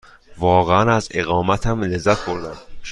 واقعاً از اقامتم لذت بردم.